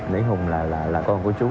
lý hùng là con của chú